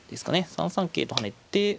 ３三桂と跳ねて。